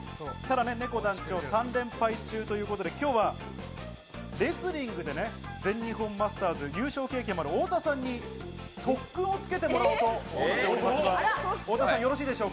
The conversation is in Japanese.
ねこ団長、３連敗中ということで今日はレスリングで全日本マスターズ優勝経験もある太田さんに特訓をつけてもらおうと思います。